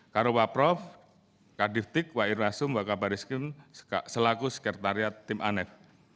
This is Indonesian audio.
karowa prof kadif tik wak irwasum wakabaris grim selaku sekretariat tim anef